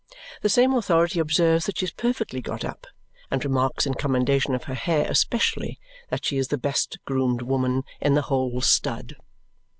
The same authority observes that she is perfectly got up and remarks in commendation of her hair especially that she is the best groomed woman in the whole stud.